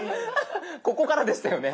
ここからでしたよね。